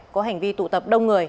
có hành vi tụ tập đông người